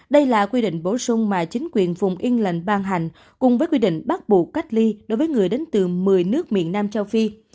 đây là quy định bổ sung mà chính quyền vùng yên lệnh ban hành cùng với quy định bắt buộc cách ly đối với người đến từ một mươi nước miền nam châu phi